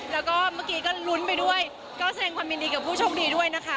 แล้วก็เมื่อกี้ก็ลุ้นไปด้วยก็แสดงความยินดีกับผู้โชคดีด้วยนะคะ